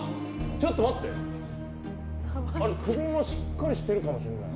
ちょっと待って、首もしっかりしてるかもしれない。